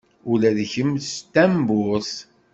Ula d kemm d tamburt?